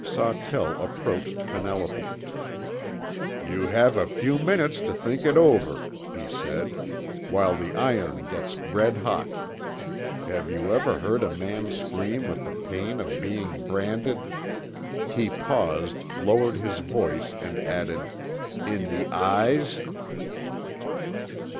Sawtell approached Penelope. "You have a few minutes to think it over," he said, "while the iron gets red hot. Have you ever heard a man scream with the pain of being branded" he paused, lowered his voice, and added " in the eyes?"